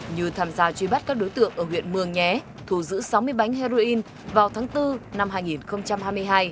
như tham gia truy bắt các đối tượng ở huyện mường nhé thù giữ sáu mươi bánh heroin vào tháng bốn năm hai nghìn hai mươi hai